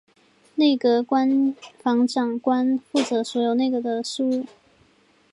内阁官房长官负责所有内阁府事务。